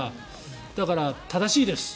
だから、正しいです。